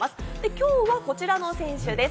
きょうはこちらの選手です。